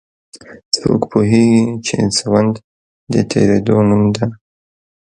څوک پوهیږي چې ژوند د تیریدو نوم ده